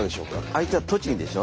相手は栃木でしょ。